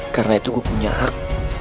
karena itu gue punya hak